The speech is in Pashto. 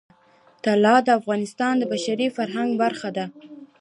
طلا د افغانستان د بشري فرهنګ برخه ده.